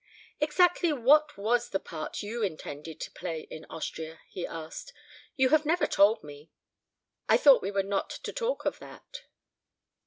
"Exactly what was the part you intended to play in Austria?" he asked. "You have never told me." "I thought we were not to talk of that.